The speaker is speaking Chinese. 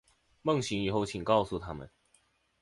梦醒以后请告诉他们